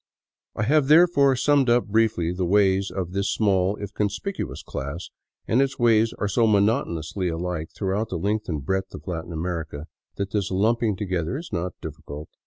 I have, therefore, summed up briefly the ways of this small, if conspicuous, class, and its ways are so monotonously alike throughout the length and breadth of Latin Amer ica that this lumping together is not difficult.